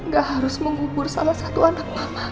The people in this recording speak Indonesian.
gak harus mengubur salah satu anak papa